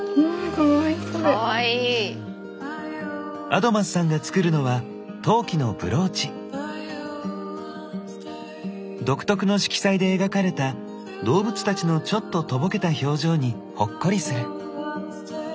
アドマスさんが作るのは独特の色彩で描かれた動物たちのちょっととぼけた表情にほっこりする。